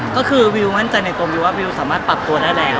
ก็คือวิวมั่นใจในตัววิวว่าวิวสามารถปรับตัวได้แล้ว